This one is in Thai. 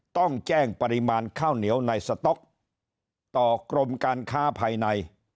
ต้องแจ้งปริมาณข้าวเหนียวในสต๊อกต่อกรมการค้าภายใน